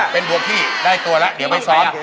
เป็นบัวขี้ได้ตัวละเดี๋ยวไปซ้อม